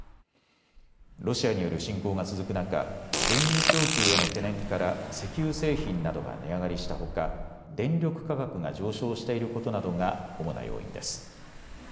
ロシアによる侵攻が続く中、原油供給への懸念から石油製品などが値上がりしたほか電力価格が上昇していることなどが主な要因です。